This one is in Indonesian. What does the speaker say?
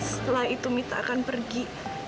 setelah itu mita akan pergi